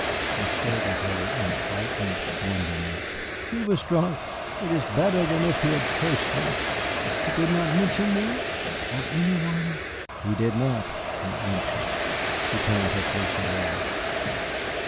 I stared at her in frightened wonderment. "He was drunk it is better than if he had cursed me. He did not mention me? Or any one?" "He did not," I answered. She turned her face away.